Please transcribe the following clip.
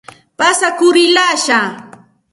Pasakurillashqaa.